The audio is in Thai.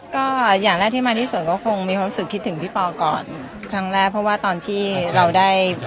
ก็อย่างแรกที่มาที่สุดก็คงมีความรู้สึกคิดถึงพี่ปอก่อนครั้งแรกเพราะว่าตอนที่เราได้